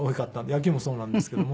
野球もそうなんですけども。